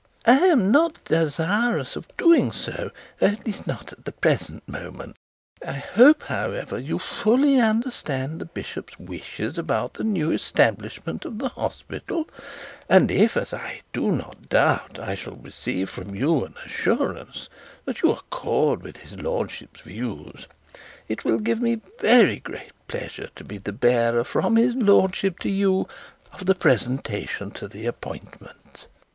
'I am not desirous of doing so; at least, not at the present moment. I hope, however, you fully understand the bishop's wishes about the new establishment of the hospital; and if, as I do not doubt, I shall receive from you an assurance that you will accord with his lordship's views, it will give me very great pleasure to be the bearer from his lordship to you of the presentation of the appointment.'